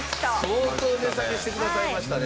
相当値下げしてくださいましたね。